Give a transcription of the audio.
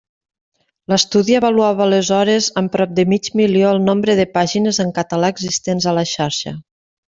L'estudi avaluava aleshores en prop de mig milió el nombre de pàgines en català existents a la xarxa.